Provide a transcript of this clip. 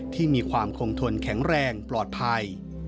ที่มีความคงทนแข็งแรงปลอดภัย